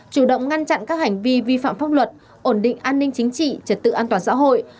chủ động ngăn chặn các hành vi vi phạm pháp luật ổn định an ninh chính trị trật tự an toàn xã hội